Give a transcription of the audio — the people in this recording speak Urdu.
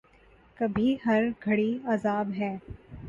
کبھی ہر گھڑی عذاب ہے